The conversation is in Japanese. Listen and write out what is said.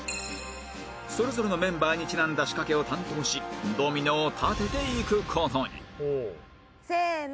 それぞれのメンバーにちなんだ仕掛けを担当しドミノを立てていくことにせの。